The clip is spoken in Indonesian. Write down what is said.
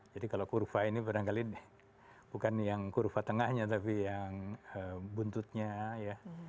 jadi kalau kurva ini kadang kadang bukan yang kurva tengahnya tapi yang buntutnya ya